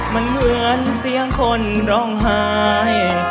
มันเหมือนเสียงคนร้องไห้